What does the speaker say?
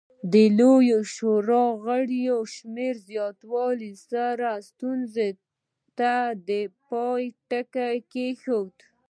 د لویې شورا غړو شمېر زیاتولو سره ستونزې ته پای ټکی کېښود.